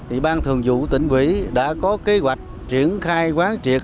ủy ban thường vụ tỉnh quỹ đã có kế hoạch triển khai quán triệt